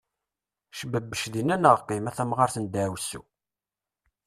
Cbebec dinna neɣ qim, a tamɣaṛt n daɛwessu!